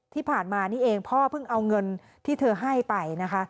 ที่ผ่านมานี่เองพ่อเพิ่งเอาเงินที่เธอให้ไปนะคะ